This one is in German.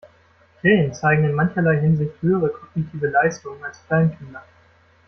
Krähen zeigen in mancherlei Hinsicht höhere kognitive Leistungen als Kleinkinder.